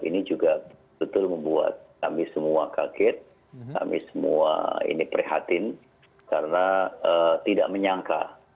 ini juga betul membuat kami semua kaget kami semua ini prihatin karena tidak menyangka